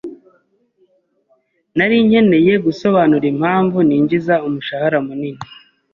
Nari nkeneye gusobanura impamvu ninjiza umushahara munini.